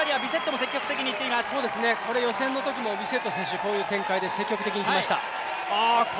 予選の時もビセット選手、こういう展開で積極的にいきました。